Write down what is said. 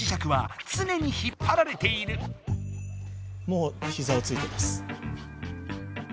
もうひざをついてます。